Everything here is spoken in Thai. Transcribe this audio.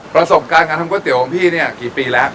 ประสบการณ์การทำก๋วเตี๋ของพี่เนี่ยกี่ปีแล้ว